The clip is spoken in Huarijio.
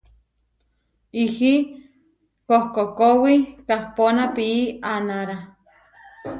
Ihí kohkókowi kahpóna pií aanára.